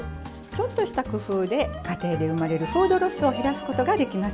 ちょっとした工夫で家庭で生まれるフードロスを減らすことができますよ。